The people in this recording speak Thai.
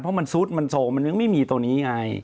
เพราะมันซุดมันโซมันยังไม่มีตรงนี้ไง